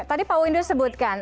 tadi pak windu sebutkan